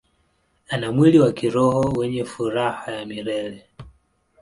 Ana mwili wa kiroho wenye furaha ya milele.